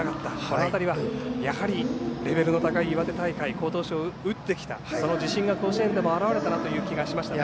あの辺りはやはりレベルの高い岩手大会、好投手を打ってきた自信が甲子園でも表れた気がしましたね。